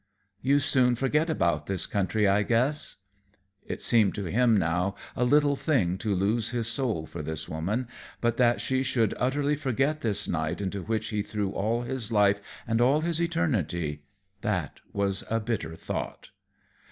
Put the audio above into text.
"You soon forget about this country, I guess." It seemed to him now a little thing to lose his soul for this woman, but that she should utterly forget this night into which he threw all his life and all his eternity, that was a bitter thought.